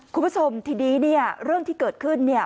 คุณผู้ชมทีนี้เนี่ยเรื่องที่เกิดขึ้นเนี่ย